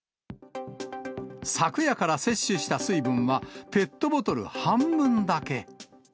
昨夜から摂取した水分は、ペットボトル半分だけ。